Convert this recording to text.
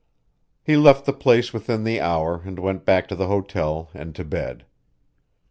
He left the place within the hour and went back to the hotel and to bed.